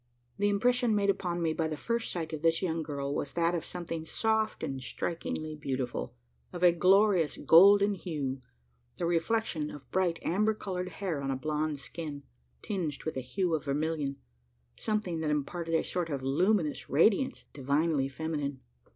The impression made upon me by the first sight of this young girl, was that of something soft and strikingly beautiful, of a glorious golden hue the reflection of bright amber coloured hair on a blonde skin, tinged with a hue of vermilion something that imparted a sort of luminous radiance divinely feminine.